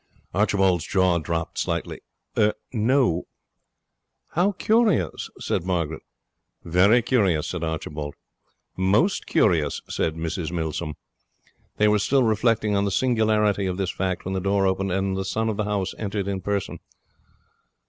Archibald's jaw dropped slightly. 'Er no,' he said. 'How curious,' said Margaret. 'Very curious,' said Archibald. 'Most curious,' said Mrs Milsom. They were still reflecting on the singularity of this fact when the door opened, and the son of the house entered in person.